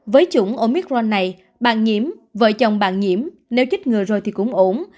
với chủng omicron này bạn nhiễm vợ chồng bạn nhiễm nếu chích ngừa rồi thì cũng ổn